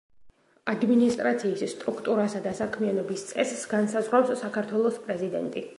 ადმინისტრაციის სტრუქტურასა და საქმიანობის წესს განსაზღვრავს საქართველოს პრეზიდენტი.